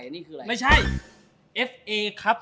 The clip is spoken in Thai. เดี๋ยวเขาบอกให้มา